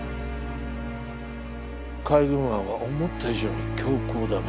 海軍案は思った以上に強硬だね。